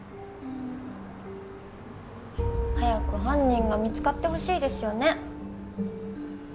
早く犯人が見つかってほしいですよね。